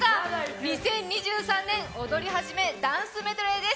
２０２３年、踊りはじめ、ダンスメドレーです。